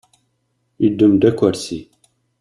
Yeddem-d akersi.